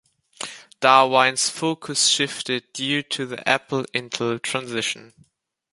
Darwine's focus shifted due to the Apple-Intel transition.